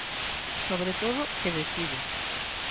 Sobre todo, que decide.